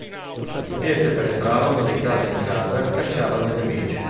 Esse penetrarono di casa in casa e scacciarono i nemici.